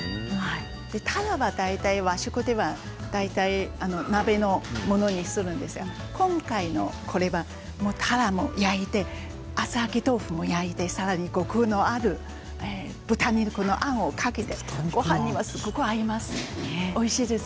たらは和食では大体鍋のものにするんですが今回はたらを焼いて厚揚げ豆腐も焼いてさらにコクのある豚肉のあんをかけてごはんにもすごく合います。